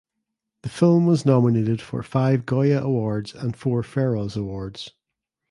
The film was nominated for five Goya Awards and four Feroz Awards.